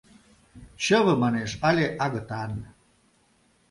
Чыве, манеш, але — агытан.